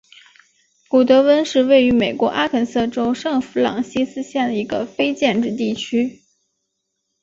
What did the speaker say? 古得温是位于美国阿肯色州圣弗朗西斯县的一个非建制地区。